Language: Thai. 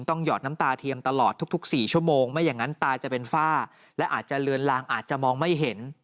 หยอดน้ำตาเทียมตลอดทุก๔ชั่วโมงไม่อย่างนั้นตาจะเป็นฝ้าและอาจจะเลือนลางอาจจะมองไม่เห็น